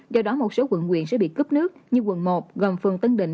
do đó một số quận nguyện sẽ bị cấp nước như quận một gồm phường tân định